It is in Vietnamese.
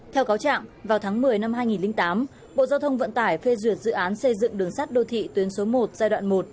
theo cáo trạng vào tháng một mươi năm hai nghìn tám bộ giao thông vận tải phê duyệt dự án xây dựng đường sắt đô thị tuyến số một giai đoạn một